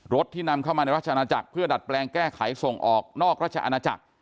ที่นำเข้ามาในราชนาจักรเพื่อดัดแปลงแก้ไขส่งออกนอกราชอาณาจักร